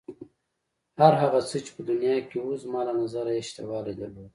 هر هغه څه چې په دنیا کې و زما له نظره یې شتوالی درلود.